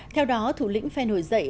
theo đó thủ lĩnh phe nổi dậy